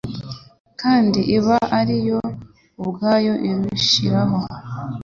kandi iba ari yo ubwayo irishyiraho.